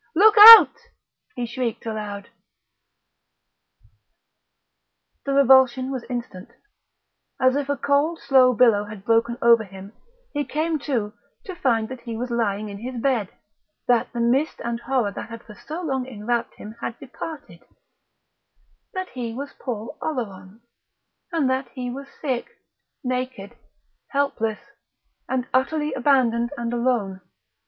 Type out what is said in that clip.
"Look out!" he shrieked aloud.... The revulsion was instant. As if a cold slow billow had broken over him, he came to to find that he was lying in his bed, that the mist and horror that had for so long enwrapped him had departed, that he was Paul Oleron, and that he was sick, naked, helpless, and unutterably abandoned and alone.